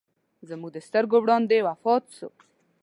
زموږ د سترګو وړاندې وفات سو.